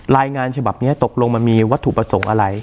รายงานฉบับนี้ตกลงมันมีวัตถุประสงค์อะไร